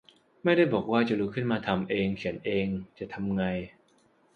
ไม่ได้บอกว่าจะลุกขึ้นมาทำเองเขียนเองจะทำไง